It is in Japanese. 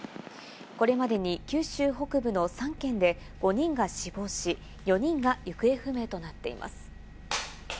これまでに九州北部の３県で５人が死亡し、４人が行方不明となっています。